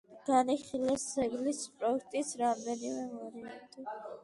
განიხილეს ძეგლის პროექტის რამდენიმე ვარიანტი.